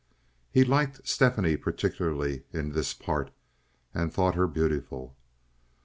He liked Stephanie particularly in this part, and thought her beautiful.